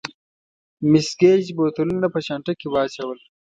مېس ګېج بوتلونه په چانټه کې واچول.